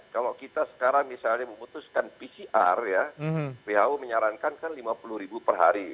kalau kita sekarang misalnya memutuskan pcr who menyarankan kan rp lima puluh per hari